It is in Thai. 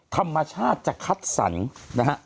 ธรรมชาติจะคัดสรรนะฮะ